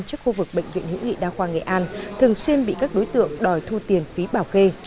trước khu vực bệnh viện hữu nghị đa khoa nghệ an thường xuyên bị các đối tượng đòi thu tiền phí bảo kê